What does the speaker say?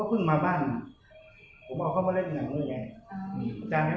คือพอรักกับผมหนีจากแต่